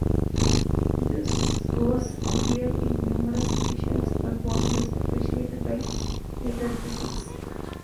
This verse appeared in numerous editions, but was less appreciated by later critics.